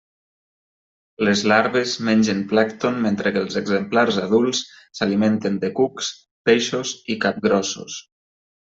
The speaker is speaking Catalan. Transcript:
Les larves mengen plàncton mentre que els exemplars adults s'alimenten de cucs, peixos i capgrossos.